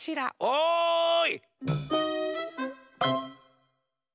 おい！